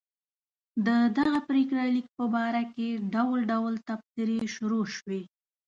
د دغه پرېکړه لیک په باره کې ډول ډول تبصرې شروع شوې.